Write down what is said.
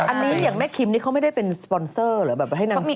อันนี้อย่างแม่คิมนี่เขาไม่ได้เป็นสปอนเซอร์เหรอแบบให้นางคิ